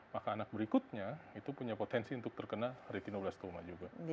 maka anak berikutnya itu punya potensi untuk terkena retinoblastoma juga